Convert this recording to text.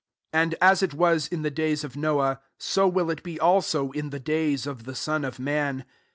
26 <'And as it was in the days of Noah, so will it be also in the days of the Son of man.